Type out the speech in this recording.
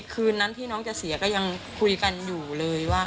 คืนนั้นที่น้องจะเสียก็ยังคุยกันอยู่เลยว่า